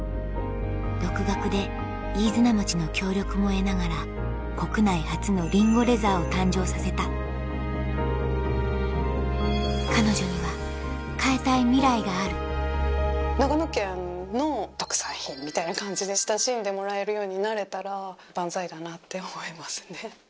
独学で飯綱町の協力も得ながら国内初のりんごレザーを誕生させた彼女には変えたいミライがある長野県の特産品みたいな感じで親しんでもらえるようになれたらバンザイだなって思いますね。